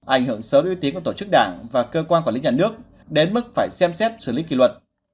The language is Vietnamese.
ảnh hưởng sớm ưu tiến của tổ chức đảng và cơ quan quản lý nhà nước đến mức phải xem xét xử lý kỷ luật